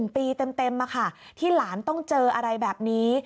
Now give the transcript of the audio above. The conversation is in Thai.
๑ปีเต็มที่หลานต้องเจออะไรแบบนี้